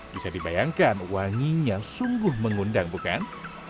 bisa dibayangkan wanginya sungguh mengundang bukan